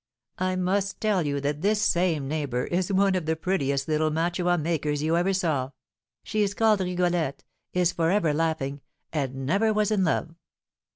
"I must tell you that this same neighbour is one of the prettiest little mantua makers you ever saw. She is called Rigolette, is for ever laughing, and never was in love."